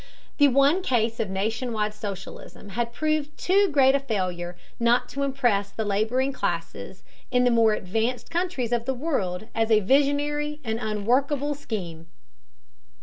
The one case of nation wide socialism had proved too great a failure not to impress the laboring classes in the more advanced countries of the world as a visionary and unworkable scheme.